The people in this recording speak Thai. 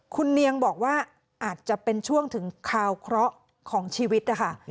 คุณเนียงบอกว่าอาจจะเป็นช่วงถึงคาวเคราะห์ของชีวิตนะคะ